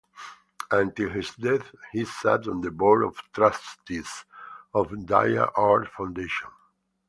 Until his death, he sat on the Board of Trustees of Dia Art Foundation.